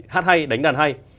hát hay đánh đàn hay